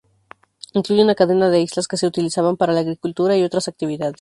Incluye una cadena de islas que se utilizaban para la agricultura y otras actividades.